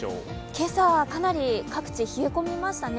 今朝はかなり各地、冷え込みましたね。